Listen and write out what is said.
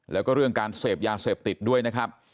แล้วก็เรื่องการเสพยาเสพติดด้วยนะครับ